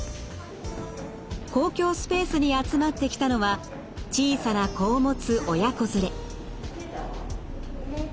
公共スペースに集まってきたのは小さな子を持つ親子連れ。